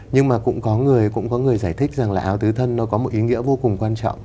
nhưng mà cũng có người giải thích rằng là áo tứ thân nó có một ý nghĩa vô cùng quan trọng